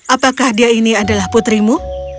apakah dia ini adalah putrimu